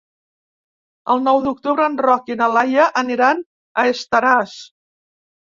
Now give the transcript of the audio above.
El nou d'octubre en Roc i na Laia aniran a Estaràs.